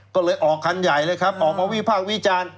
ก็เลยออกคันใหญ่เลยครับออกมาวิภาควิจารณ์